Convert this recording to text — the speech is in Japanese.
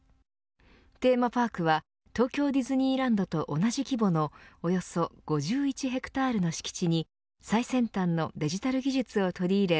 テーマパークは東京ディズニーランドと同じ規模のおよそ５１ヘクタールの敷地に最先端のデジタル技術を取り入れ